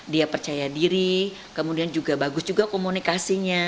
dia percaya diri kemudian juga bagus juga komunikasinya